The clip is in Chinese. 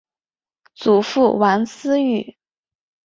祖父王思与。